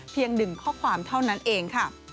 ๑ข้อความเท่านั้นเองค่ะ